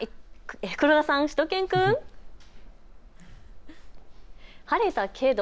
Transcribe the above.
黒田さん、しゅと犬くん。晴れたけど。